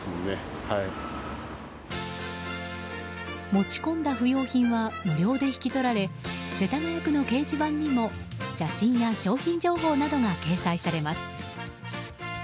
持ち込んだ不要品は無料で引き取られ世田谷区の掲示板にも写真や商品情報などが掲載されます。